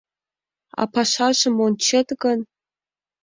А пашажым ончет гын...